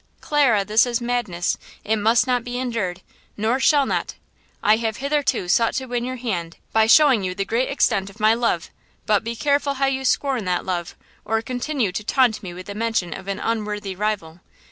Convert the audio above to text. "Clara, this is madness! It must not be endured, nor shall not! I have hitherto sought to win your hand by showing you the great extent of my love; but be careful how you scorn that love or continue to taunt me with the mention of an unworthy rival.